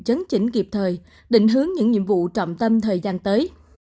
chấn chỉnh kịp thời định hướng những nhiệm vụ trọng tâm thời gian tới